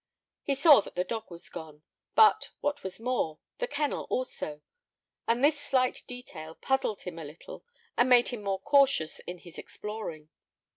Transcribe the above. He saw that the dog was gone, but, what was more, the kennel also, and this slight detail puzzled him a little and made him more cautious in his exploring.